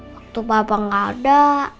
waktu papa gak ada